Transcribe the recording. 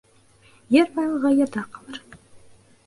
Ер байлығы ерҙә ҡалыр.